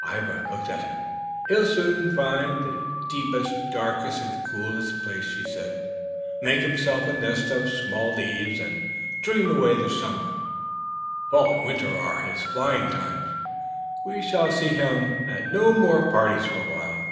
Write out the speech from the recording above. Ivra looked after him. "He'll soon find the deepest, darkest, coolest place," she said, "make himself a nest of smooth leaves and dream away the summer. Fall and winter are his flying times. We shall see him at no more parties for a while."